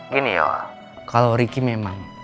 gini ya kalau ricky memang